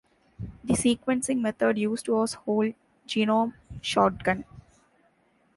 The sequencing method used was whole genome shotgun.